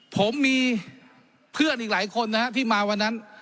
ผมมีเพื่อนอีกหลายคนนะฮะที่มาวันนั้น